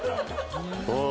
うん。